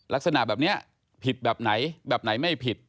ลักษณะแบบนี้ผิดแบบไหนแบบไหนไม่ผิด